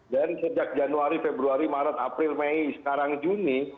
dan sejak januari februari maret april mei sekarang juni